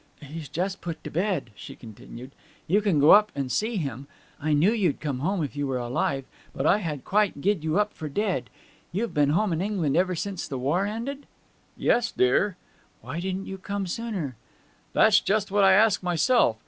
'He's just put to bed,' she continued. 'You can go up and see him. I knew you'd come if you were alive! But I had quite gi'd you up for dead. You've been home in England ever since the war ended?' 'Yes, dear.' 'Why didn't you come sooner?' 'That's just what I ask myself!